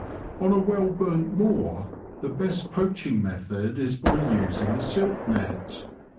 On a well burnt moor the best poaching method is by using a silk net.